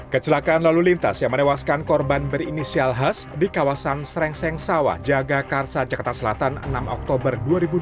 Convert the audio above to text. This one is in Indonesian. kecelakaan lalu lintas yang menewaskan korban berinisial has di kawasan srengseng sawah jagakarsa jakarta selatan enam oktober dua ribu dua puluh